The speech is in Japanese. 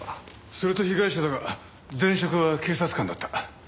それと被害者だが前職は警察官だった。